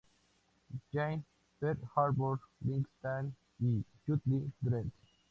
Jane, Pearl Harbor, Big Stan" y "Judge Dredd".